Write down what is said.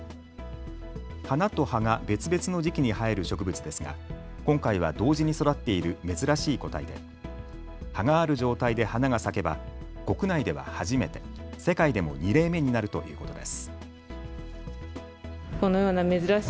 花と葉が別々の時期に生える植物ですが今回は同時に育っている珍しい個体で葉がある状態で花が咲けば国内では初めて、世界でも２例目になるということです。